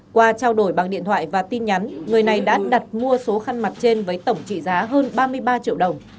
qua trao đổi bằng điện thoại và tin nhắn người này đã đặt mua số khăn mặt trên với tổng trị giá hơn ba mươi ba triệu đồng